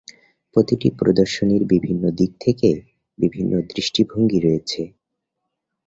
প্রতিটি প্রদর্শনীর বিভিন্ন দিক থেকে বিভিন্ন দৃষ্টিভঙ্গি রয়েছে।